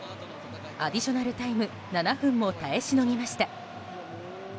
アディショナルタイム７分も耐えしのぎました。